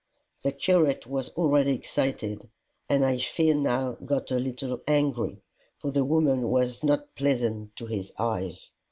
The curate was already excited, and I fear now got a little angry, for the woman was not pleasant to his eyes.